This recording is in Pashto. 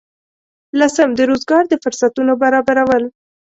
لسم: د روزګار د فرصتونو برابرول.